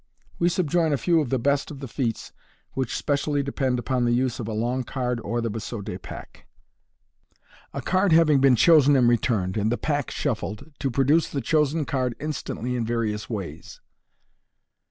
We subjoin a few of the best of the feats which specially depend upon the use of a long card or the biseaute pack. A Card having been Chosen and Returned, and the Pack SHUFFLED, TO PRODUCE THE CHOSEN CARD INSTANTLY IN VARIOUS wais.